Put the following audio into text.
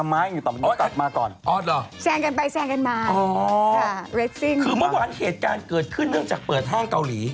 เหตุการณ์เกิดขึ้นเนื่องจากเปิดห้างเกาหลี